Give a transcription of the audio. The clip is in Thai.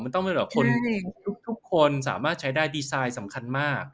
มันต้องเป็นแบบคนทุกคนสามารถใช้ได้ดีไซน์สำคัญมาก